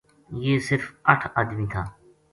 یہ صرف اَٹھ ادمی تھا